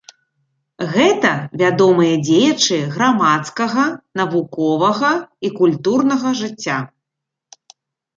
Гэта вядомыя дзеячы грамадскага, навуковага і культурнага жыцця.